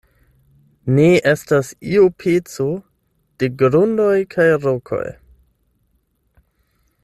Ne estas iu peco de grundoj kaj rokoj.